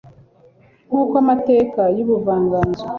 nkuko amateka y'ubuvanganzo